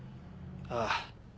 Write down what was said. ああ。